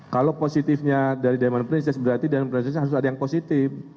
kalau positifnya dari diamond princess berarti diamond princess harus ada yang positif